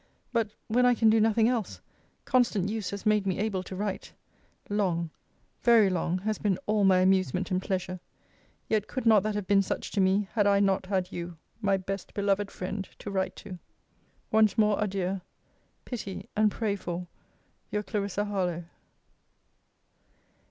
But, when I can do nothing else, constant use has made me able to write. Long, very long, has been all my amusement and pleasure: yet could not that have been such to me, had I not had you, my best beloved friend, to write to. Once more adieu. Pity and pray for Your CL. HARLOWE.